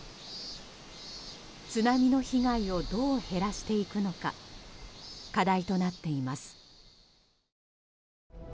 津波の被害をどう減らしていくのか課題となっています。